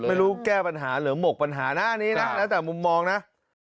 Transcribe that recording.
ไม่รู้แก้ปัญหาหรือหมกปัญหาหน้านี้นะแล้วแต่มุมมองนะ